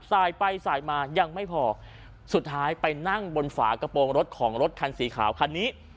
สายไปสายมายังไม่พอสุดท้ายไปนั่งบนฝากระโปรงรถของรถคันสีขาวคันนี้